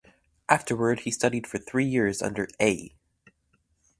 Afterward he studied for three years under A.